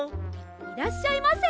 いらっしゃいませ。